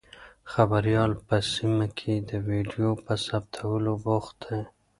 خبریال په سیمه کې د ویډیو په ثبتولو بوخت دی.